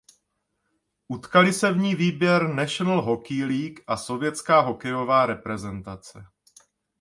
Utkaly se v ní výběr National Hockey League a sovětská hokejová reprezentace.